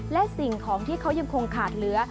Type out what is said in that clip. และสิ่งของที่เขายังคงขาดเหลือ